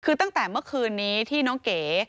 คือตั้งแต่เมื่อคืนนี้ที่น้องเก๋